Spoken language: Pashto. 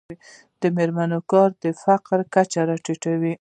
د میرمنو کار د فقر کچه راټیټوي.